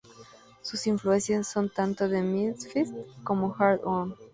Sus influencias son tanto de The Misfits como Hard-on.